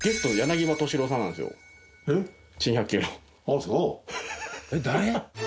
えっ誰？